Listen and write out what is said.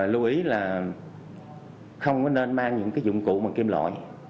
lưu ý là không có nên mang những dụng cụ mà kim lọi